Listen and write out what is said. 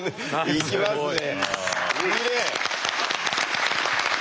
いきますね。